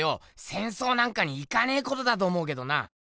戦争なんかに行かねぇことだと思うけどな。